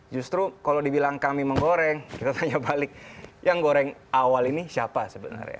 justru kalau dibilang kami menggoreng kita tanya balik yang goreng awal ini siapa sebenarnya